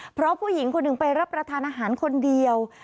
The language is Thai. เพราะผู้หญิงคนหนึ่งไปรับประทานอาหารคนเดียว